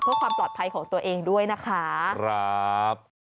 เพื่อความปลอดภัยของตัวเองด้วยนะคะครับ